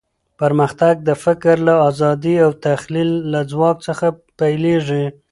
پرمختګ د فکر له ازادۍ او د تخیل له ځواک څخه پیلېږي.